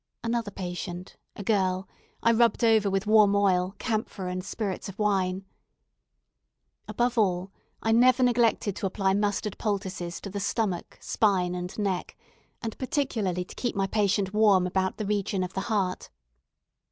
Another patient, a girl, I rubbed over with warm oil, camphor, and spirits of wine. Above all, I never neglected to apply mustard poultices to the stomach, spine, and neck, and particularly to keep my patient warm about the region of the heart.